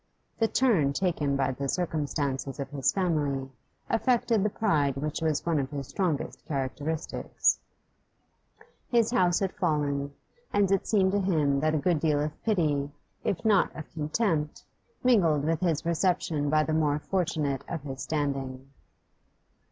The turn taken by the circumstances of his family affected the pride which was one of his strongest characteristics; his house had fallen, and it seemed to him that a good deal of pity, if not of contempt, mingled with his reception by the more fortunate of his own standing.